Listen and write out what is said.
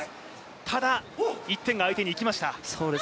ただ、１点が相手にいきました。